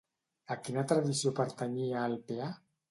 A quina tradició pertanyia el Peà?